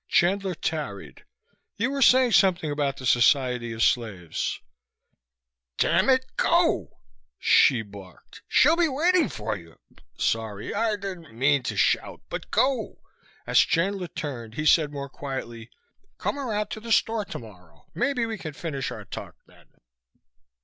Chandler tarried. "You were saying something about the Society of Slaves." "Damn it, go!" Hsi barked. "She'll be waiting for you.... Sorry, I didn't mean to shout. But go." As Chandler turned, he said more quietly, "Come around to the store tomorrow. Maybe we can finish our talk then."